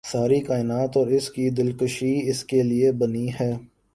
ساری کائنات اور اس کی دلکشی اس کے لیے بنی ہے